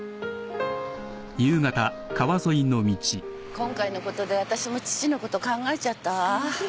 今回のことで私も父のこと考えちゃったわ。